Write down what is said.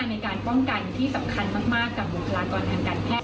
ในการป้องกันที่สำคัญมากกับบุคลากรทางการแพทย